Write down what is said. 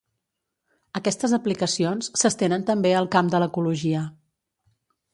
Aquestes aplicacions s'estenen també al camp de l'ecologia.